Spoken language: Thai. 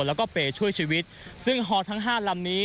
แล้วก็เปย์ช่วยชีวิตซึ่งฮอทั้งห้าลำนี้